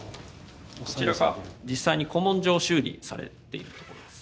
こちらが実際に古文書を修理されているところです。